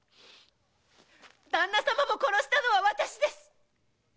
旦那様を殺したのは私です！